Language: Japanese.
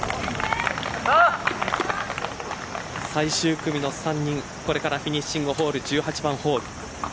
最終組の３人これからフィニッシングホール１８番ホール。